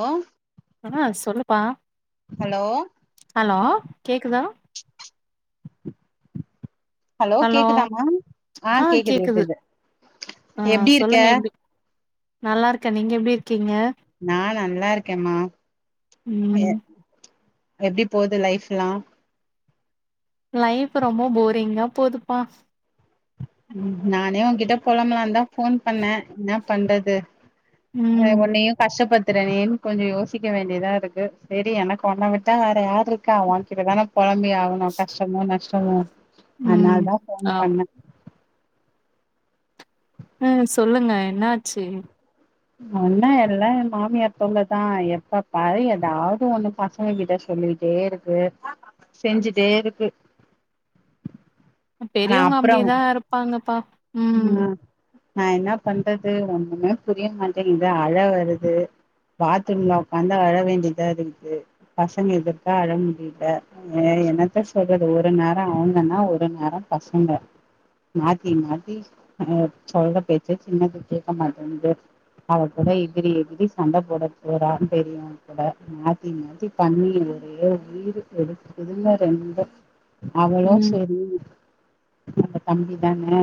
அ ஒஹ் ஆஹ் சொல்லுப்பா ஹலோ கேக்குதா ஹலோ கேக்குதாமா ஆஹ் கேக்குது குது ஆ எப்டி இருக்க சொல்லுங்க எப்டி நல்லா இருக்கே நீங்க எப்டி இருக்கீங்க நா நல்லா இருக்கேன்ம்மா மிய ம் எப்டி போது லைஃப்ல்லா லைஃப் ரொம்ப போரிங்கா போதுப்பா ம் நானே உன்கிட்ட பொலம்லான்ந்தா ஃபோன் பண்ணே என்ன பண்றது ஆ ம் உன்னயு கஷ்டப்பத் திறனேன் கொஞ்சோ யோசிக்க வேண்டியதா இருக்கு செரி எனக்கு ஒண்ண விட்டா வேற யார் இருக்கா உன்கிட்டதானேப் குழம்பி ஆவணு கஷ்டமோ நஷ்ட ஆ [unintelligible] ம் அனால் தா ஃபோன் ஆம் பண்ண ம் சொல்லுங்க என்ன ஆச்சு ஒண்ண எல்லா என் மாமியார் தொள்ளதா எப்ப பாரு ஏதாவது ஒண்ணு பசங்க கிட்ட சொல்லிட்டே இருக்கு செஞ்சுட்டே இருக்கு ஆ ஆனா பெரியவங்க அப்புறம் அப்படிதா இருப்பாங்கப்பா உம் ஆ நா என்ன பண்றது ஒண்ணுமே புரிய மாட்டேங்குது அழ வருது பாத்ரூம்ல உக்காந்து அழ வேண்டியதா இருக்குது பசங்க எதுற்கா அழ முடியல ஏ என்னத்த சொல்றது ஒரு நேரோ அவங்கன்னா ஒரு நேரம் பசங்க மாத்தி மாத் பீஸ் அ சொல்ற பேச்சே சின்னது கேக்க மாட்டேன்து அவ கூட எதிரி எதிரி சண்ட போட போறான்னு தெரியு கூட மாத்தி மாத்தி பண்ணி ஒரே உயிர் எடுத்துக்குதுங்க ரெண்டு அவளு ம் செரி [unintelligible] அந்த தம்பி தானே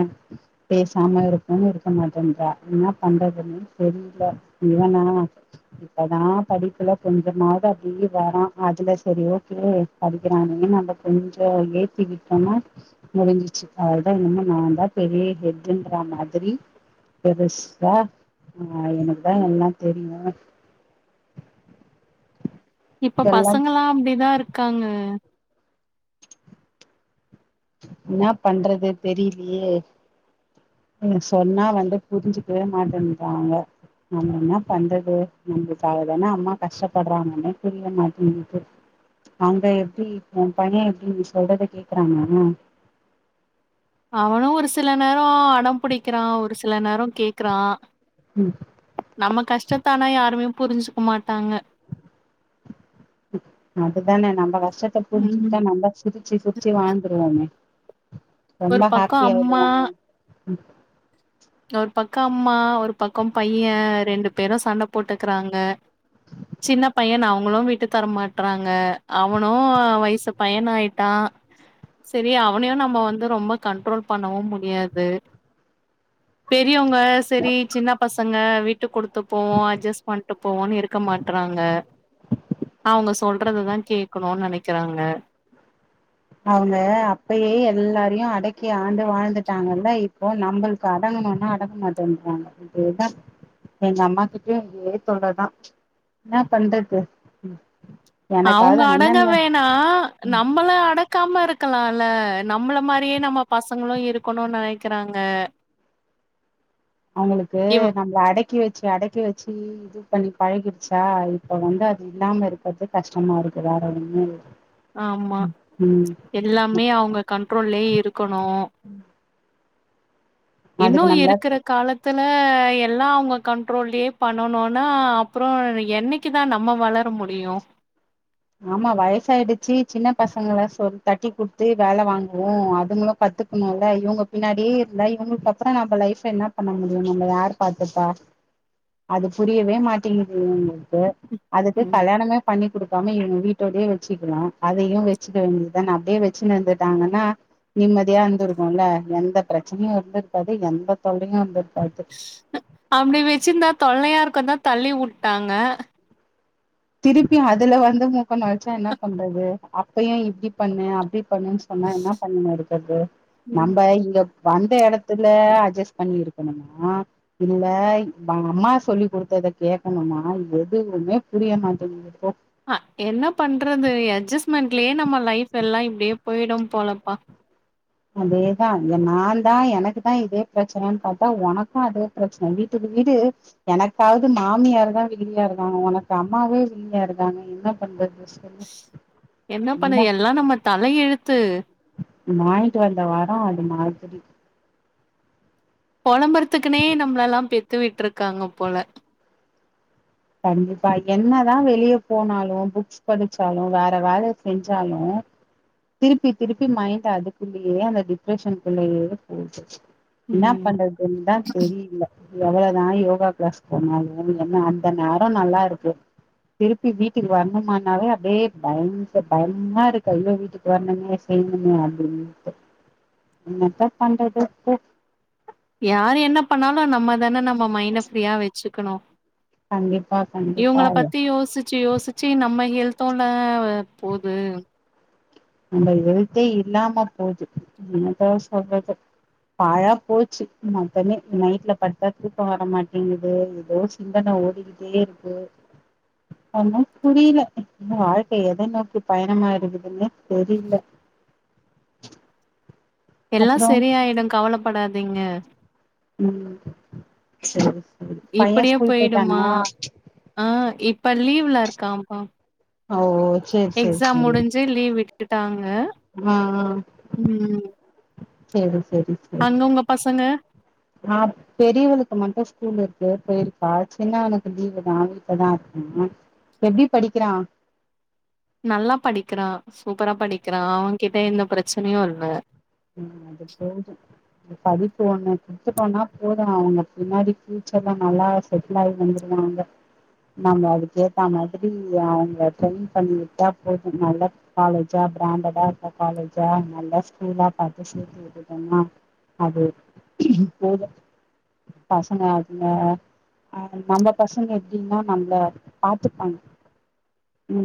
பேசாம இருக்கும்னு இருக்க மாட்டேன்றா என்னா பண்றதுன்னு தெரியில இவனா இப்பதா படிப்புல கொஞ்சமாவது அப்டியே வரா அதுல செரி ஓகே படிக்கிறானே நம்ம கொஞ்சோ ஏத்திக்கிட்டோனா முடிஞ்சிச்சி அவ்ளதா இனிமே நா தாப் பெரிய ஹெட்டுன்ற மாதிரி பெருசா ஆ எனக்குதா எல்லா தெரியு இப்ப எல்லா பசங்கலா அப்டிதா இருக்காங்க என்ன பண்றது தெரிலியே உ சொன்னா வந்து புரிஞ்சுக்கவே மாட்டேன்றாங்க நம்ம என்ன பண்றது நம்மளுக்காக தானே அம்மா கஷ்டப்படுறாங்கன்னே புரிய மாட்டேங்குது அங்க எப்டி உன் பைய எப்டி நீ சொல்றத கேக்குறானா உம் அவனு ஒரு சில நேரோ அடம் பிடிக்கிறா ஒரு சில நேரோ கேக்குறா ம் நம்ம கஷ்டத்த ஆன யாருமேப் புரிஞ்சுக்குமாட் அதுதானே நம்ப கஷ்டத்த ம் புரிஞ்சுக்கிட்டா நம்ப சிரிச்சி சுச்சி வாழ்ந்துருவோமே ரொம்ப ஒரு ஹாப்பி பக்கம் அம்மா ஆயிடுவோமே ம் ஒரு பக்கம் அம்மா ஒரு பக்கம் பையன் ரெண்டு பேரும் சண்ட போட்டுக்குறாங்க சின்ன பையன்னு அவங்களு வீட்டு தரமாட்றாங்க அவனு அ வய்சப் பயனாயிட்டா சரி அவனையு நம்ம வந்து ரொம்ப கண்ட்ரோல் பண்ணவு முடியாது ஈ அவுங்க சரி சின்ன பசங்க விட் ட்டுகொடுத் த்துப்போவோ அட்ஜஸ் பண்ட்டு போவோனு இருக்க மாட்றாங்க அவங்க சொல்றதுதா கேக்கணு நெனைக் கெறாங்க அவுங்க அப்பையே எல்லாரையோ அடக்கி ஆண்டு வாழ்ந்துட்டாங்கல்ல இப்போ நம்மளுக்கு அடங்கணும்னா அடங்க மாட்டேன்றாங்க அப்படியேதா எங்க அம்மாக்கிட்ட இதே தொல்ல தா என்ன பண்றது அவுங்க எனக்காவது அடங்க அண்ணங்க வேணா நம்மள அடக்காம இருக்க கக்கலாம்ல்ல நம்மள மாரியே நம்ம பசங்களு இருக்கணோ நெனக்கிறாங்க அவுங்களுக்கு நம்மள அடக்கி வெச்சு அடக்கி வெச்சு சி இது பண்ணி பழகிடுச்சா இப்ப வந்து அது இல்லாம இருக்கறது கஷ்டமா இருக்கு வேற ஒண்ணோ இல்ல ஆமா எல்லாமே அவுங்க கண்ட்ரோல்லய இருக்கணோ அதுக்கு இன்னும் நம்மள இருக்கிற காலத் த்துல எல்லாம் அவுங்க கண்ட்ரோல்லயே பண்ணனும்னா அப்புறோ என்னைக்கு தா நம்ம வளர முடியோ ஆமா வயசாயிடுச்சு சின்ன பசங்கல சொ தட்டி குடுத்து வேல வாங்குவோ அதுங்களு கத்துக்கணோல இவுங்க பின்னாடியே இல்ல இவுங்குளுக்கு அப்புறோ நம்ம லைஃப்ல என்ன பண்ண முடியோ நம்ம யாரு பாத்தப்பா அது புரியவே மாட்டேங்கிது இவுங்குளுக்கு அதுக்கு ம் கல்யாணமே பண்ணி குடுக் இவுங்க வீட்டோடயே வெச்சுக்கனோ அதையு வெச்சுக்க வேண்டியது தான அப்படியே வெச்சுனு இருந்துதாங்கனா நிம்மதியா இருந்திருக்கும்ல எந்த பிரச்சனையோ இருந்திருக்காது எந்த தொல்லையோ இருந்திருக்காது அப்படி வெச்சிருந்தா தொல்லையா இருக்குந்தா தள்ளி வுட்டாங்க திருப்பி அதுல வந்து மூக்க நொழச்சா என்ன பண்றது அப்பயோ இப்டி பண்ணு அப்டி பனு சொன்னா என்ன பண்ண இருக்கிறது ம் நம்ம இங்கப் வந்த எடத்துல அட்ஜஸ்ட் பண்ணி இருக்கணுமா இல்ல அம்மா சொல்லி் குடுத்தத கேக்கணுமா எதுவுமே புரிய மாட்டங்கங்குது போ அ என்ன பண்றது எட்ஜஸ்ட்மெண்ட்லயே நம்ம லைஃப் எல்லா இப்டியே போயிடும் போலப்பா அதேதா நா தா எனக்குதா இதே பிரச்சனைன்னு பார்த்தா உனக்கோ அதே பிரச்சன வீட்டுக்கு வீடு எனக்காவது மாமியாரு தா வில்லியா இருக்காங்க உனக்கு அம்மாவே வில்லியா இருக்காங்க என்ன பண்றது சொல்லு என்ன பண்ண எல்லா நம்ம தல எழுத்து வாங்கிட்டு வந்த வரோ அது மாதிரி பொலம்புறதுக்குனே நம்மளல்லா பெத்து விட்ருக்காங்க போல கண்டிப்பா என்னதா வெளியே போனாலோ புக்ஸ் படிச்சாலோ வேற வேல செஞ்சாலோ திருப்பி திருப்பி மைண்ட் அதுக்குள்ளயே அந்த டிப்ரஷனுக்குள்ளயே போது என்ன ம் பண்றதுன்னுதா தெரியுல எவ்வளவுதா யோகா க்ளாஸ் போனாலோ என்ன அந்த நேர நல்லா இருக்கு திருப்பி வீட்டுக்கு வரணுமனாவே அப்டியே பய பயமா இருக்கு ஐயோ வீட்டுக்கு வரணுமே செய்யணுமே அப்டின்னுட்டு என்னத்த பண்றது போ யாரு என்ன பண்ணாலு நம்ம தான நம்ம மைண்ட ஃப்ரீயா வச்சு க்கணு கண்டிப்பா கண்டிப்பா இவங்கள பத்தி யோசிச்சு யோசிச்சு நம்ம ஹெல்த் பத்தோல போது நம்ம எழுத்தே இல்லாம போது என்னதா சொல்றது பாழா போச்சு மொத்தமே நைட்ல படுத்தா தூக்க வர மாட்டேங்குது ஏதோ சிந்தன ஓடிக்கிட்டே இருக்கு ஒன்னு புரியல இந்த வாழ்க்கை எத நோக்கி பயணமா இருக்குதுன்னே தெரில எல்லா செரியாயிடு கவல படாதீங்க செரி இப்படியே போய்டுமா ஆ இப் இப்ப லீவ்ல இருக்காம்ப்பா ஓ சேரி சேரி சேரி ட்டாங்க ஆஆ சேரி சேரி சேரி அங்க உங்க பசங்க ஆஹ் பெரியவளுக்கு மட்டு ஸ்கூல் இரு க்கு போயிருக்கா சின்ன உனக்கு லீவு தா வீட்லதா இருக்கா எப்டி படிக்கிறான் நல்லா படிக்கிறா சூப்பரா படிக்கிறா அவன் கிட்ட எந்த பிரச்சனையு இல்ல ம் அது போது படிப்பு ஒண்ணு குடுத்துட்டோம்னா போதும் அவங்க பின்னாடி பிஃயூச்சர்ல நல்லா செட்டில் ஆகி வந்துருவாங்க நம்ம அதுக்கேத்தா மாதிரி அவங்க ட்ரென்ங் பண்ணிக்கிட்டா போதும் நல்ல காலேஜா பிராண்டடா இருக்க காலேஜா நல்ல ஸ்கூலா பாத்து சேத்து விட்டுடோம்னா அது போதும் பசங்க அதுல நம்ம பசங்க எப்டின்னா நம்ள பாத்துப்பாங்க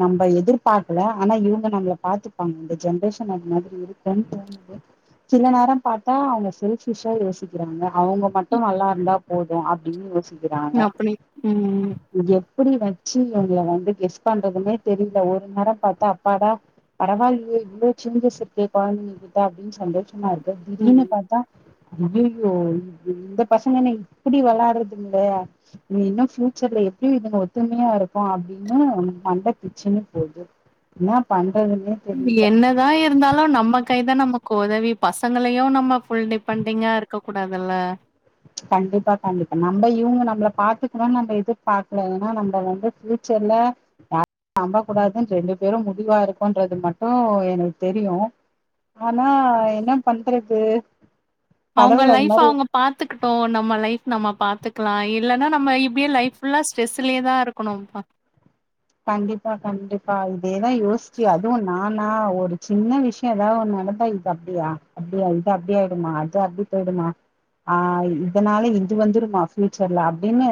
நம்ம எதிர்பார்கல ஆனா இவங்க நம்மள பாத்தப்பாங்க இந்த ஜென்ரேஷன் அது மாதிரி இருக்கும்னு தோணுது சில நேரம் பார்த்தா அவங்க செல்பிஷா யோசிக்கிறாங்க அவங்க மட்டு நல்லா இருந்தா போதும் அப்படின்னு யோசிக்கங் அப்டி ம்ம் எப்டி வச்சி இவங்கள வந்து கெஸ் பண்றதுமே தெரில ஒரு நேர பாத்தா அப்பாடா பரவாலியே இவ்ளோ சேஞ்சஸ் இருக்கே குழந்தைங்க கிட்ட அப்டினு சந்தோ மாருக்கு திடீர்னு ம் பாத்த அய்யயோ இந்த பசங்கென்ன இப்டி வெளாட்றதுங்களே நீ இன்னு பிஃபியூச்சர்ல எப்டிய இதுங்க ஒத்துமையா இருக்கு அப்டின்னு மண்ட பிச்சன்னு போகுது ஏன்னா பண் என்னதா இருந்தாலு நம்ம கை தா நம்மக் உதவி பசங்களையு நம்ம ஃபுல் டிபெண்டிங்கா இருக்க கூடாதுல்ல கண்டிப்பா கண்டிப்பா நம்ம இவங்க நம்மள பாத்துக்கணும்னு நம்ம எதிர்பாக்கல ஏன்னா நம்ம வந்து ஃபியூச்சர்ல யா நம்ப கூடாதுன்னு ரெண்டு பேரு முடிவா இருக்கோம்ன்றது மட்டும் எனக்கு தெரியு ஆனா என்ன பண்றது அவங்க கடவுள் அது லைஃப்ப மாரி அவங்க பாத்து த்துக்கிட்டோ நம்மள லைப் நம்ம பாத்துக்கலா இல்ன்னா நம்ம இப்டியே லைஃப்ல்லா ஸ்ட்ரெஸ்லயே தா இருக்கணும்ப்பா கண்டிப்பா கண்டிப்பா இதேதா யோசிச்சு அதுவு நானா ஒரு சின்ன விஷயம் ஏதாவது நடந்தா இது அப்டியா அப்டியா இது அப்டியயிடுமா அது அப்டி போயி்டமா ஆ இதனால இது வந்துருமா ஃபியயூச்சர்ல அப்டின்னு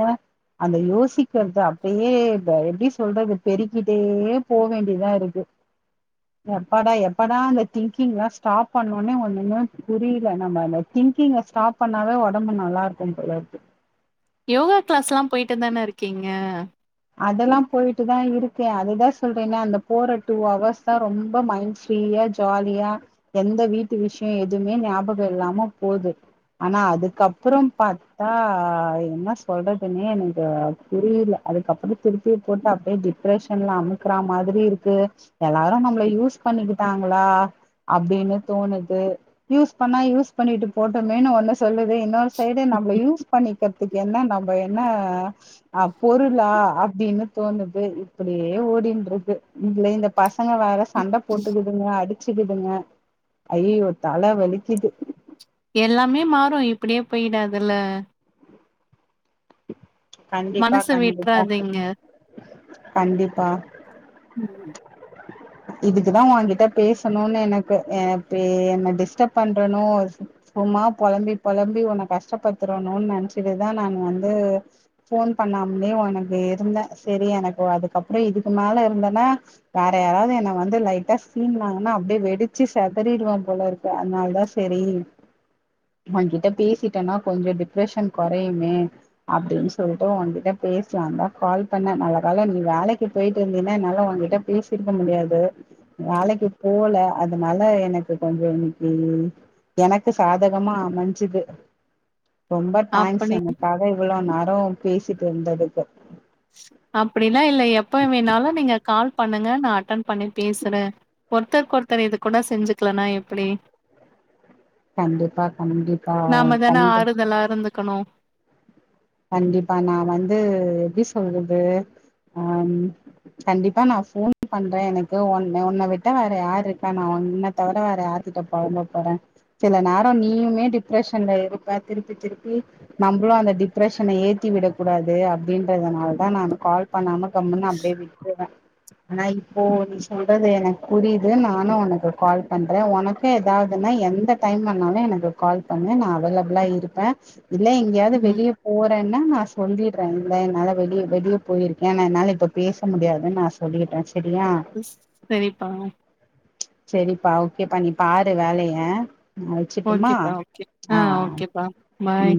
அந்த யோசிக்கிறது அப்டியே எப்டி சொ சொல்றது பெருக்கிட்டே போ வேண்டியதா இருக்கு எப்பாடா எப்படா அந்த திங்கிங் லா ஸ்டாப் பண்ணுனே ஒண்ணுமே புரில நம்ம அந்த திங்கிங்க ஸ்டாப் பண்ணாவே உடம்பு நல்லா இருக்கு போலருக்கு யோகா கிளாஸ் லா போயிட்டு தான இருக்கீங்க அதெல்லா போயிட்டு தா இருக்கே அதுதா சொல்றேனே அந்த போற டூ அவஹவர்ஸ் தா ரொம்ப மைண்ட் ஃப்ரீயா ஜாலியா எந்த வீட்டு விஷய எதுமே ஞாபகம் இல்லாம போகுது ஆனா அதுக்கப்பற பாத்தா என்ன சொல்றதுன்னே எனக்கு புரியல அது அதுக்கப்பற திருப்பி போட்டு அப்டியே டிப்ரஷன்ல அமுக்கற மாதிரி இருக்கு எல்லாரு நம்மள யூஸ் பண்ணிக்கிட்டாங்களா அப்டின்னு தோணுது யூஸ் பண்ணா யூஸ் பண்ணிட்டு போட்டோமேன்னு ஒன்னு சொல்லுது இன்னொ சைடு நம்மள யூஸ் பண்ணிக்க றதுக்கு என்ன நம்ப என்ன அ பொரு ளா அப்டின்னு தோணுது இப்டியே ஓடின்ட்ருக்கு இதுலயே இந்த பசங்க வேற சண்ட போட்டுக்குதுங்க அடி ச்சிக்கிதுங்க ஐயையோ தல வலிக்கிது எல்லாமே மாறு இப்டியே போய்டாதுல்ல கண்டிப்பா மனசு கண்டிப்பா விட்றாதீங்க. கண்டிப்பா ம். இதுக்குதா ஓங்கிட்ட பேசணுனு எனக்கு ஏ பி என்ன டிஸ்டர்ப பண்றனோ சும் சும்மா பொழம்பி பொழம்பி ஒன்ன கஷ்டப்படுத்துறனோன் நெனச்சிட்டுதா நா வந்து ஃபோன் பண்ணாம்லே ஒனக்கு இருந்த சேரி எனக்கு அதுக்கப்றோ இதுக்கு மேல இருந்தன்னா வேற யாராவ்து எனக் வந்து லைட்டா சீண்டுனாங்கனா அப்டியே வெடிச்சி செதறிருவ போல இருக்கு அத்னாலதா செரி ஓங்கிட்ட பேசிட்டன்னா கொஞ்சொ டிப்ரஷன் கொறையுமே அப்டின் சொல்ட்டு ஒங்கிட்ட பேசலான்தா கால் பண்ண நல்ல காலொ நீ வேலைக்கி போயிட்டு இருந்தீன என்னால ஓங்ககிட்ட பேசிர்க்க முடியாது து வேலக்கி போல அதுனால எனக்கு கொஞ்சொ இன்னக்கி எனக்கு சாதகமா அமஞ்சிது ரொம்ப தேங்க்ஸ் அப்படி எனக்காக இவ்ளோ நேரொ பேசிட் ருந்ததுக்கு அப்டிலா இல்ல எப்ப வேணாலு நீங்க கால் பண்ணுங்க நா அட்டன் பண்ணி பேசுற ஒருத்தருக்கொருத்தர் இது கூட செஞ்சுக்கலனா எப்டி கண்டிப்பா கண்டிப்பா கண்டி க்கணு கண்டிப்பா நா வந்து எப்டி சொல்றது ஆ கண்டிப்பா நா ஃபோன் பண்றே எனக்கு ஒன் அ ஒன்ன விட்டா வேற யாருக்கா நா ஒன்ன தவர வேற யார்கிட்ட பொழம்ப போற சில நேரொ நீயுமே டிப்ரெஷன்ல இருப்ப திருப்பி திருப்பி நம்பளு அந்த டிப் ப்ரெஷன ஏத்தி விடக் கூடாது அப்டின்றதனாலதா நா கால் பண்ணாம கம்முன்னு அப்டியே விட்றுவ ஆனா இப்போ நீ சொல்றது எனக்கு புரியுது நானு ஒனக்கு கால் பண்ற ஒனக்கு ஏதாவ்துன்னா எந்த டைம்லனாலு எனக்கு கால் பண்ணு நா அவைலபுளா இருப்ப இல்ல எங்கயாவ்து ம். வெளிய போறேன்னா நா சொல்லிட்ற இல்ல என்னால வெளிய வெளிய போயிருக்கே நா என்னால இப்ப பேச முடியாதுன் நா சொல்லிட்ற ஸ் செரிப்பா செரிப்பா ஓக்கேப்பா நீ பாரு வேலைய நா வச்சுட்டுமா ஓக்கேப்பா ஓக்கே ஆ ஓக்கேப்பா பாய்